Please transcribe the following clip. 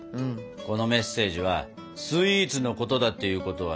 このメッセージはスイーツのことだっていうことはね。